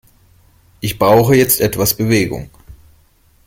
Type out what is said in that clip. Ich brauche jetzt etwas Bewegung.